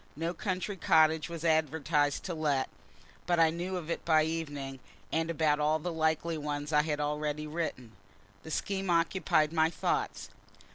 No country cottage was advertised to let but I knew of it by evening, and about all the likely ones I had already written. The scheme occupied my thoughts.